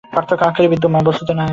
পার্থক্য আকারেই বিদ্যমান, বস্তুতে নয়।